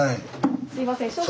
すいません少々。